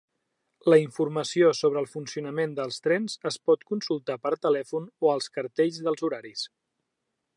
La informació sobre el funcionament dels trens es pot consultar per telèfon o als cartells dels horaris.